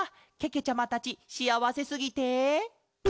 けけちゃまたちしあわせすぎて。